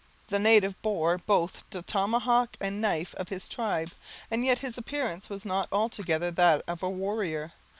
The native bore both the tomahawk and knife of his tribe; and yet his appearance was not altogether that of a warrior.